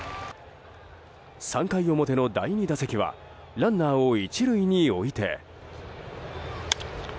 ３回表の第２打席はランナーを１塁に置いて。